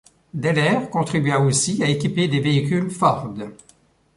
Delher contribua aussi à équiper des véhicules Ford.